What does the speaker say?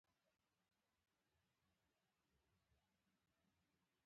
که مبارزه وکړو نو ظلم له منځه وړو.